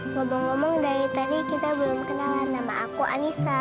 ngomong ngomong dari tadi kita belum kenalan sama aku anissa